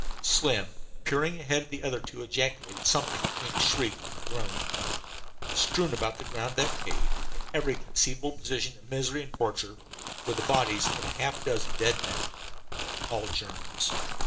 Slim, peering ahead of the other two, ejaculated something between a shriek and a groan. Strewn about the ground of that cave, in every conceivable position of misery and torture, were the bodies of half a dozen dead men, all Germans.